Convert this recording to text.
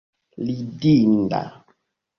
ridinda